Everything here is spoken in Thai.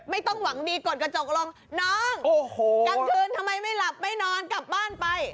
ไม่ต้องหวังดีกดกระจกลงน้องกลางคืนทำไมไม่หลับไม่นอนกลับบ้านไป